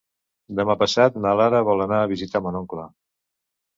Demà passat na Lara vol anar a visitar mon oncle.